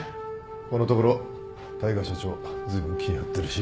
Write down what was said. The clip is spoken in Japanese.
このところ大海社長ずいぶん気張ってるし。